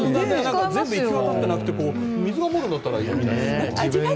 全部行き渡ってなくて水が漏るんだったらあれだけど。